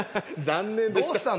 残念でした。